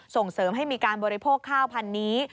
ส่งเสริมให้มีการบริโภคข้าวพันธุ์นี้